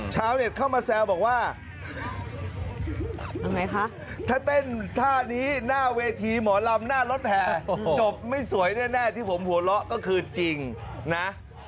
ชาวเน็ตเข้ามาแซวบอกว่าอันไงคะ